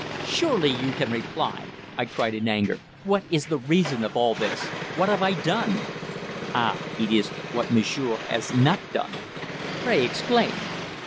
"Surely you can reply," I cried in anger. "What is the reason of all this? What have I done?" "Ah! it is what monsieur has not done." "Pray explain."